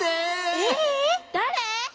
えっ？だれ？